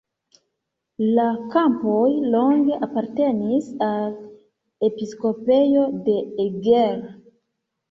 La kampoj longe apartenis al episkopejo de Eger.